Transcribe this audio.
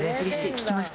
聞きました？